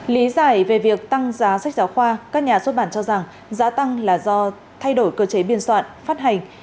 lý giải về việc tăng giá sách giáo khoa các nhà xuất bản cho rằng giá tăng là do thay đổi cơ chế biên soạn phát hành